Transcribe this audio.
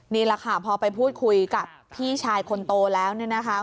นี่แหละค่ะพอไปพูดคุยกับพี่ชายคนโตแล้วเนี่ยนะคะ